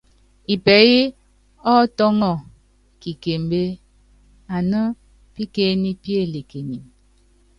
Ipɛyɛ́ ɔ́ tɔ́ŋɔ kikembé aná pikenípíelekinin.